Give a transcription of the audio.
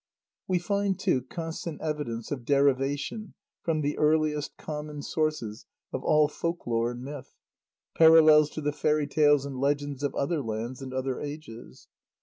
We find, too, constant evidence of derivation from the earliest, common sources of all folk lore and myth; parallels to the fairy tales and legends of other lands and other ages.